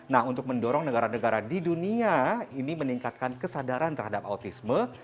nah untuk mendorong negara negara di dunia ini meningkatkan kesadaran terhadap autisme